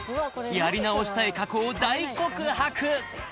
やり直したい過去を大告白！